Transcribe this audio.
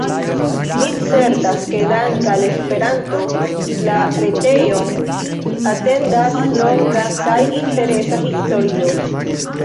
Mi certas, ke dank' al Esperanto la retejon atendas longa kaj interesa historio.